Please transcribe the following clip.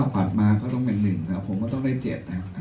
๙ปัดมาก็ต้องเป็น๑ค่ะผมก็ต้องได้๗ค่ะ